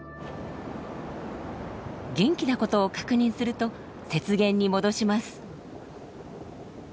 元気なことを確認すると雪原に戻します。